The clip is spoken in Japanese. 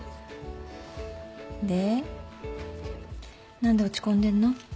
で何で落ち込んでんの？